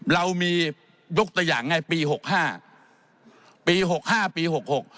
เรามียกตัวอย่างไงปีหกห้าปีหกห้าปีหกหก